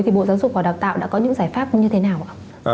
thì bộ giáo dục và đào tạo đã có những giải pháp như thế nào ạ